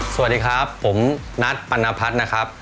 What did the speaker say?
สวัสดีครับผมนัทปรณพัฒน์นะครับ